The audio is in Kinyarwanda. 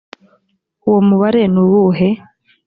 uwo mubare nuwuhe